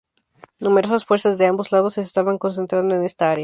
Numerosas fuerzas de ambos lados se estaban concentrando en esta área.